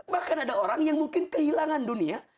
bahkan ada orang yang mungkin kehilangan dunia